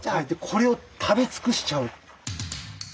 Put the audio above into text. これを食べつくしちゃう。